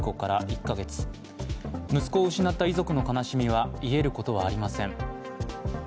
息子を失った遺族の悲しみがいえることはありません。